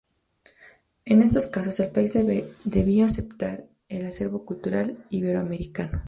En estos casos, el país debía aceptar el "acervo cultural" iberoamericano.